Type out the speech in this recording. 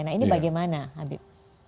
nah ini bagaimana habib